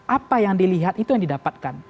apa yang dilihat itu yang didapatkan